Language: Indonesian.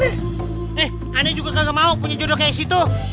eh aneh juga gak mau punya jodoh kayak situ